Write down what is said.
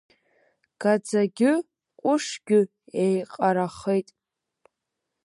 Гаӡагьы ҟәышгьы еиҟарахеит.